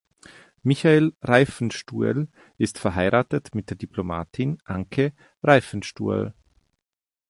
Michael Reiffenstuel ist verheiratet mit der Diplomatin Anke Reiffenstuel.